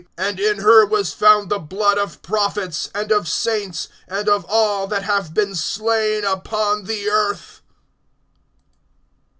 (24)And in her was found the blood of prophets, and of saints and of all that have been slain upon the earth.